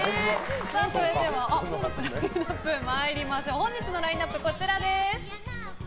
それでは本日のラインアップこちらです。